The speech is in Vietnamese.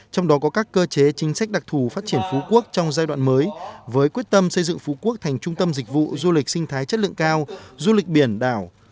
trong đó có các cơ chế chính sách đặc thù phát triển phú quốc trong giai đoạn mới với quyết tâm xây dựng phú quốc thành trung tâm dịch vụ du lịch sinh thái chất lượng cao du lịch biển đảo